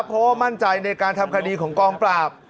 เพราะว่ามั่นใจในการทำคดีของกองปราบ